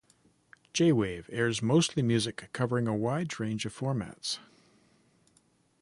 J-Wave airs mostly music covering a wide range of formats.